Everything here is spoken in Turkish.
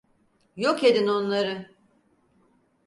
Yok edin onları!